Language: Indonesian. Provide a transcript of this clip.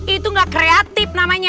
itu gak kreatif namanya